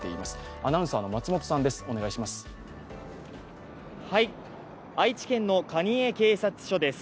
アナウンサーの松本さん、お願いします。